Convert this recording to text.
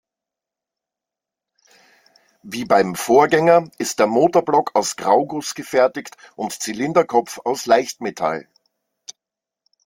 Wie beim Vorgänger ist der Motorblock aus Grauguss gefertigt und Zylinderkopf aus Leichtmetall.